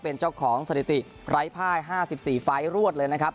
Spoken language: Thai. เป็นเจ้าของสถิติไร้ภาย๕๔ไฟล์รวดเลยนะครับ